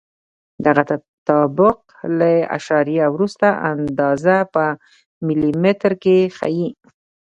دغه تطابق له اعشاریه وروسته اندازه په ملي مترو کې ښیي.